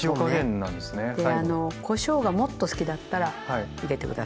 こしょうがもっと好きだったら入れて下さいここで。